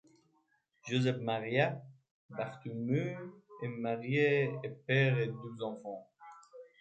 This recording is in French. Josep Maria Bartomeu est marié et père de deux enfants.